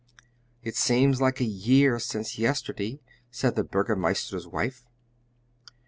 "It seems a year since yesterday," said the Burgomeister's wife.